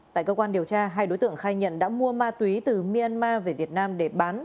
tại cơ quan điều tra hai đối tượng khai nhận đã mua ma túy từ myanmar về việt nam để bán